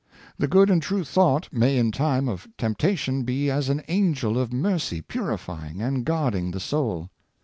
The good and true thought may in time of temptation be as an angel of mercy purifying and guarding the soul.